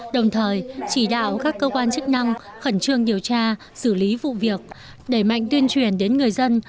đồng thời chỉ đạo các cơ quan chức năng khẩn trương điều tra xử lý vụ việc đẩy mạnh tuyên truyền đến người dân